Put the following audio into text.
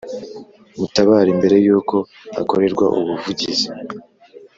Mutabare mbere y’uko akorerwa ubuvugizi